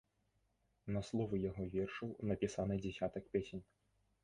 На словы яго вершаў напісаны дзясятак песень.